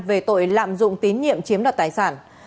về tội lạm dụng tín nhiệm chiếm đoạt tài sản